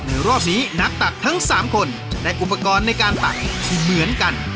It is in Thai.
รอบนี้นักตักทั้ง๓คนจะได้อุปกรณ์ในการตักที่เหมือนกัน